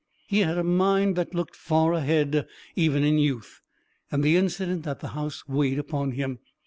He had a mind that looked far ahead, even in youth, and the incident at the house weighed upon him.